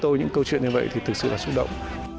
tôi những câu chuyện như vậy thì thực sự là xúc động